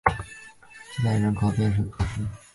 勒基乌人口变化图示